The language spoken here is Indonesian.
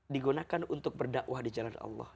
digunakan untuk berdakwah di jalan allah